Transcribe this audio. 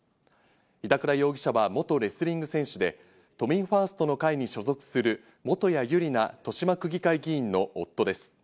板倉容疑者は元レスリング選手で、都民ファーストの会に所属する元谷ゆりな豊島区議会議員の夫です。